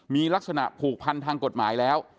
มีลักษณะผูกพันทางกฎหมายแล้ว